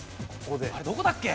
あれどこだっけ？